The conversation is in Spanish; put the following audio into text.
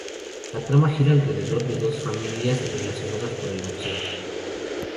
La trama gira alrededor de dos familias relacionadas por el boxeo.